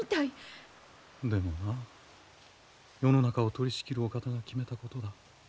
でもな世の中を取りしきるお方が決めたことだ。